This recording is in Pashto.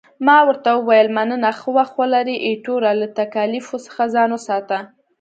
ما ورته وویل، مننه، ښه وخت ولرې، ایټوره، له تکالیفو څخه ځان ساته.